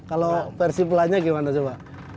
kalau versi pelannya gimana coba